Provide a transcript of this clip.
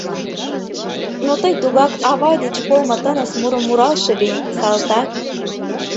Но тый тугак Авай деч колмо тыныс мурым Муралше лий, салтак.